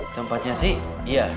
tempatnya sih iya